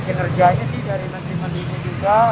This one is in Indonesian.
kinerjanya sih dari nanti nanti ini juga